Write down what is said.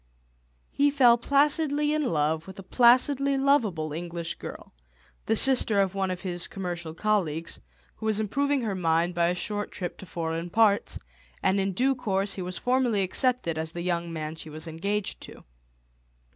He fell placidly in love with a placidly lovable English girl, the sister of one of his commercial colleagues, who was improving her mind by a short trip to foreign parts, and in due course he was formally accepted as the young man she was engaged to.